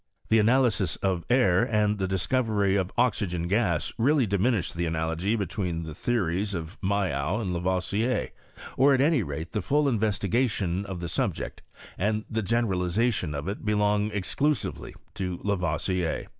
The analysis of air and the discovery of oxygen gas really diminish the analogy between the theories of Mayow and. Lavoisier, or at any rate the full investigation of the subject and the generalization of it belong exclusively to Lavoisier.